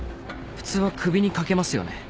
普通は首に掛けますよね。